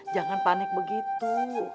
jangan panik begitu